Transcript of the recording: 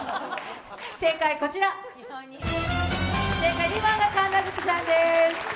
正解はこちら、２番が神奈月さんです。